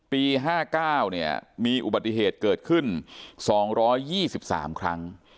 ปี๕๙มีอุบัติเหตุเกิดขึ้น๒๒๓ครั้ง